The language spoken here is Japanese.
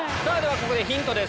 ここでヒントです。